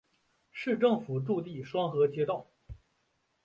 市政府驻地双河街道。